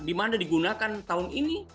dimana digunakan tahun ini